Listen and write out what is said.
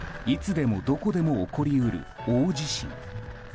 いつでも、どこでも起こり得る大地震。